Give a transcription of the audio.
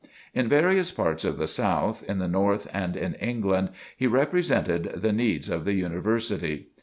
In various parts of the South, in the North and in England, he represented the needs of the University.